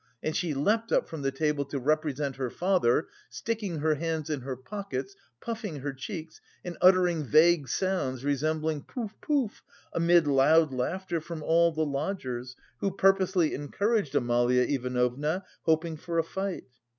'" and she leapt up from the table to represent her father, sticking her hands in her pockets, puffing her cheeks, and uttering vague sounds resembling "poof! poof!" amid loud laughter from all the lodgers, who purposely encouraged Amalia Ivanovna, hoping for a fight.